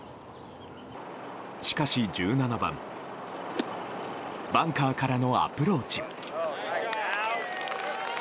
しかし１７番バンカーからのアプローチ。